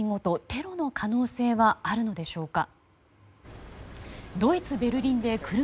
テロの可能性はあるのでしょうか。